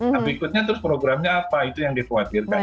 nah berikutnya terus programnya apa itu yang dikhawatirkan